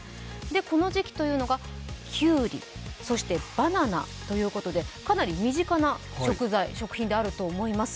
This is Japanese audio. この時期というのがきゅうり、そしてバナナということで、かなり身近な食材、食品であると思います。